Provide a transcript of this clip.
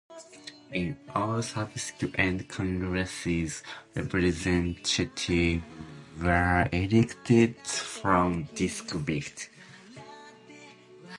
In all subsequent Congresses, representatives were elected from districts.